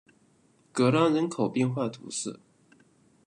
戈当人口变化图示